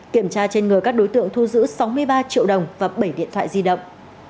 kiểm tra trên người các đối tượng thu giữ sáu mươi ba triệu đồng và bảy điện thoại di động